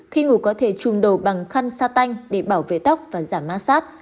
khi ngủ có thể trùng đầu bằng khăn sa tanh để bảo vệ tóc và giảm ma sát